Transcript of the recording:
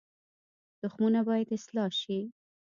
تخمونه باید اصلاح شي